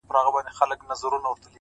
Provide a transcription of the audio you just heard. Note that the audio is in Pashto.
اوس پوره مات يم نور د ژوند له جزيرې وځم;